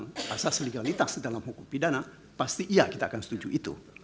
kita bicara tentang asas legalitas dalam hukum pidana pasti iya kita akan setuju itu